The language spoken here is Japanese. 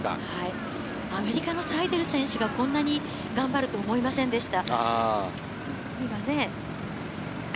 アメリカのサイデル選手が、こんなに頑張ると思いませんでした。